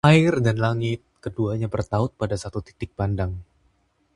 air dan langit keduanya bertaut pada satu titik pandang